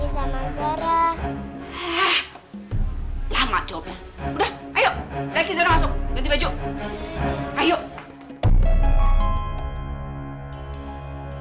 estable dengar all sama putri katanya kalian somsik